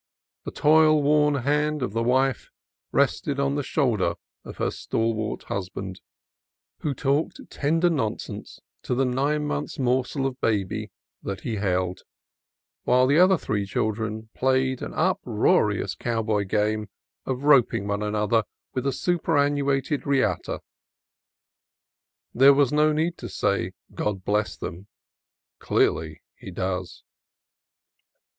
The toil worn hand of the wife rested on the shoulder of her stal wart husband, who talked tender nonsense to the nine months' morsel of baby that he held ; while the other three children played an uproarious cowboy game of roping one another with a superannuated riata. There was no need to say, God bless them: clearly He does.